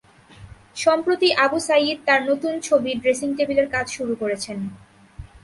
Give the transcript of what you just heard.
সম্প্রতি আবু সাইয়ীদ তাঁর নতুন ছবি ড্রেসিং টেবিল-এর কাজ শুরু করেছেন।